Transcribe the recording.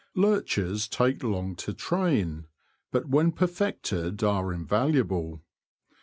Lurchers take long to train, but when perfected are invaluable.